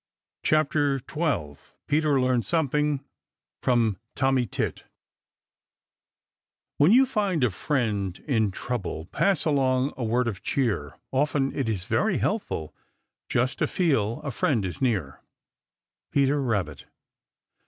CHAPTER XII PETER LEARNS SOMETHING FEOM TOMMY TIT When you find a friend in trouble Pass along a word of cheer. Often it is very helpful Just to feel a friend is near. Peter Rabbit.